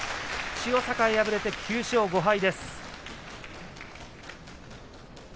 千代栄、敗れて９勝５敗。